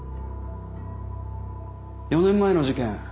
４年前の事件